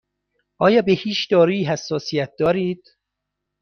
آیا به هیچ دارویی حساسیت دارید؟